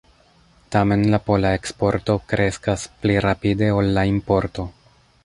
Tamen la pola eksporto kreskas pli rapide ol la importo.